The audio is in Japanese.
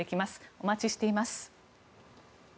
お待ちしています。